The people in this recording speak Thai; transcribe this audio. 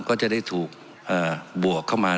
ก็จะได้ถูกบวกเข้ามา